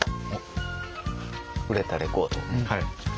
売れたレコード。